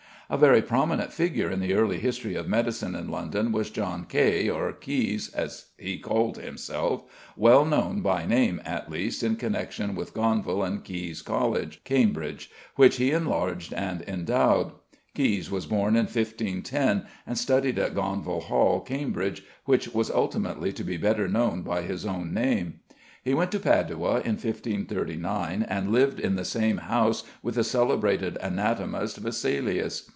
A very prominent figure in the early history of medicine in London is =John Kaye=, or =Caius=, as he called himself, well known, by name at least, in connexion with Gonville and Caius College, Cambridge, which he enlarged and endowed. Caius was born in 1510, and studied at Gonville Hall, Cambridge, which was ultimately to be better known by his own name. He went to Padua in 1539, and lived in the same house with the celebrated anatomist, Vesalius.